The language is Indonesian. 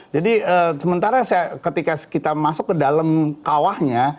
jadi sementara ketika kita masuk ke dalam kawahnya